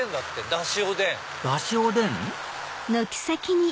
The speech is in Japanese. だしおでん？